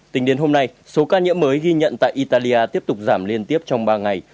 tính đến hôm nay số ca nhiễm mới ghi nhận tại italia tiếp tục giảm liên tiếp trong ba ngày